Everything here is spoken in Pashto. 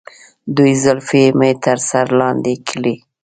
دوی زلفې مې تر سر لاندې کړي.